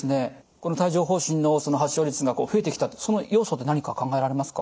帯状ほう疹の発症率が増えてきたその要素って何か考えられますか？